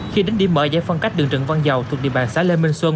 khi đến điểm mở giải phân cách đường trần văn dầu thuộc địa bàn xã lê minh xuân